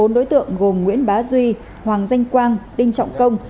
bốn đối tượng gồm nguyễn bá duy hoàng danh quang đinh trọng công